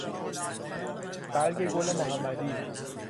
برگ گلمحمدی